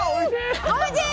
おいしい！